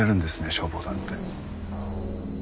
消防団って。